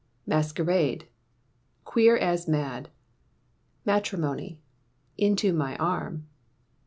Masquerade .............Queer as mad. Matrimony...............Into my arm.